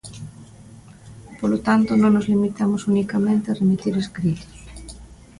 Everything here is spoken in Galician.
Polo tanto, non nos limitamos unicamente a remitir escritos.